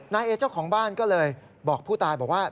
นายเอเจ้าของบ้านก็เลยบอกผู้ตายบอกว่า